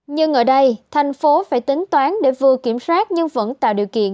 nhưng ở đây thành phố phải tính toán để vừa kiểm soát nhưng vẫn tạo điều kiện